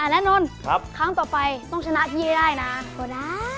แล้วน้วนครับครั้งต่อไปต้องชนะทีเอได้นะโอลา